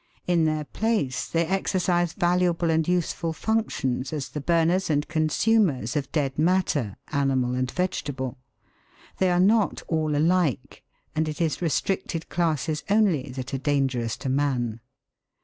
In their place they exercise valuable and useful functions as the burners and consumers of dead matter, animal and vegetable. They are not all alike, and it is restricted classes only that are dangerous to man.